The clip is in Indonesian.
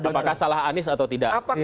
apakah salah anies atau tidak